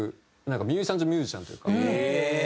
ミュージシャンズ・ミュージシャンというか。